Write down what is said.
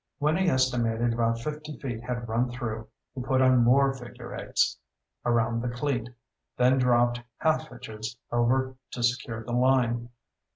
When he estimated about fifty feet had run through, he put on more figure eights around the cleat, then dropped half hitches over to secure the line.